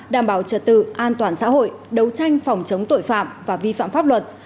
đảm bảo trật tự an toàn xã hội đấu tranh phòng chống tội phạm và vi phạm pháp luật